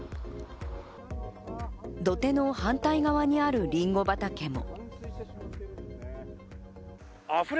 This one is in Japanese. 土手の反対側にあるりんご畑も。